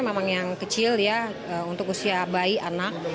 memang yang kecil ya untuk usia bayi anak